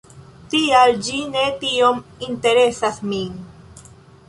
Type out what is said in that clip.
Tial ĝi ne tiom interesas min.